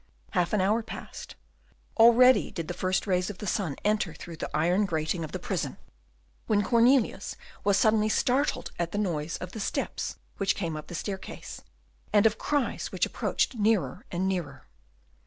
Half an hour passed away. Already did the first rays of the sun enter through the iron grating of the prison, when Cornelius was suddenly startled at the noise of steps which came up the staircase, and of cries which approached nearer and nearer.